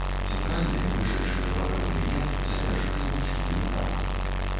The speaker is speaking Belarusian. Цэнтральны, вышэйшы за бакавыя, неф завершаны двухсхільным дахам.